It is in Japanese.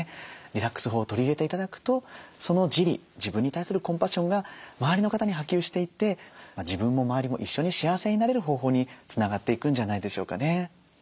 リラックス法を取り入れて頂くとその自利自分に対するコンパッションが周りの方に波及していって自分も周りも一緒に幸せになれる方法につながっていくんじゃないでしょうかね。